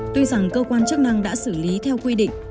tuy rằng cơ quan chức năng đã xử lý theo quy định